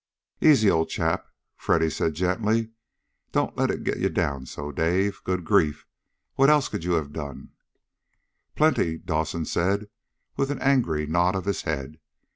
"Easy, old chap," Freddy said gently. "Don't let it get you down so, Dave. Good grief! What else could you have done?" "Plenty!" Dawson said with an angry nod of his head.